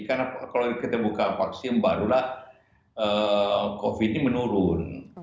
karena kalau kita buka vaksin barulah covid sembilan belas ini menurun